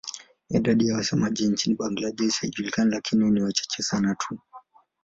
Idadi ya wasemaji nchini Bangladesh haijulikani lakini ni wachache sana tu.